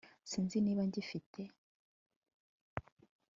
Sinzi niba ngifite